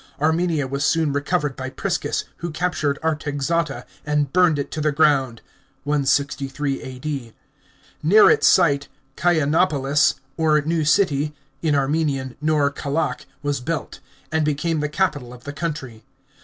Armenia was soon recovered by Priscus, who captured Artaxata, and burned it to the ground (163 A D.). Near its site Kainepolis or New City (in Armenian, Nor khalakh) was built, and became the capital of the country.